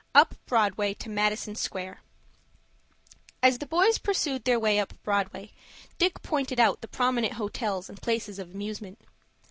UP BROADWAY TO MADISON SQUARE As the boys pursued their way up Broadway, Dick pointed out the prominent hotels and places of amusement.